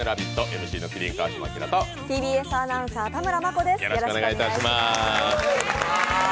ＭＣの川島明とＴＢＳアナウンサー・田村真子です。